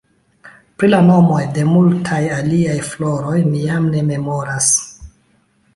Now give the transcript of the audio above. Pri la nomoj de multaj aliaj floroj mi jam ne memoras.